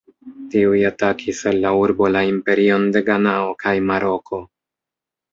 Tiuj atakis el la urbo la imperion de Ganao kaj Maroko.